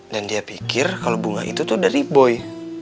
dan dia pikir kalo bunga itu tuh dari boy